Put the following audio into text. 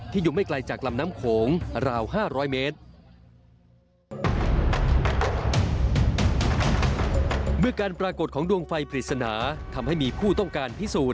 ที่อยู่ไม่ไกลจากลำน้ำโขงเหล่า๕๐๐เมตร